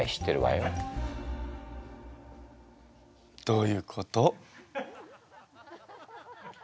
どういうこと？